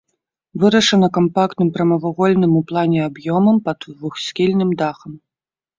Вырашана кампактным прамавугольным у плане аб'ёмам пад двухсхільным дахам.